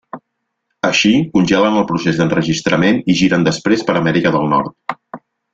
Així, congelen el procés d'enregistrament i giren després per Amèrica del Nord.